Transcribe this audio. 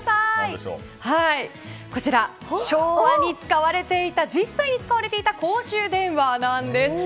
こちら、昭和に実際に使われていた公衆電話なんです。